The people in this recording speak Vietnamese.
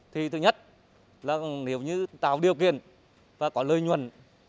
thì thứ nhất là nếu như tạo điều kiện và có lợi nhuận